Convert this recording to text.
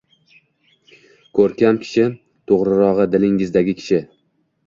Ko`rkam kishi, to`g`rirog`i, didingizdagi kishi